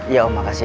iya om makasih ya